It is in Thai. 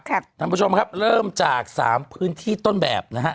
ท่านผู้ชมครับเริ่มจาก๓พื้นที่ต้นแบบนะฮะ